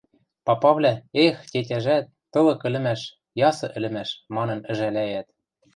Папавлӓ, «Эх, тетяжӓт, тылык ӹлӹмӓш — ясы ӹлӹмӓш» манын ӹжӓлӓйӓт.